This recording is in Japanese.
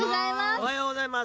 おはようございます。